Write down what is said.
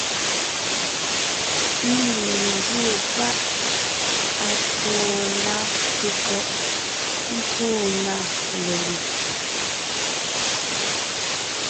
Ńne ńdíe páʼ à foo ná kékɔ́ʼ nkúu na lelùb,